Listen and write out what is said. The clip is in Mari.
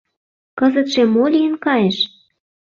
Кызытше мо лийын кайыш?